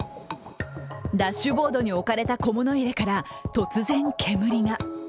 ダッシュボードに置かれた小物入れから、突然煙が。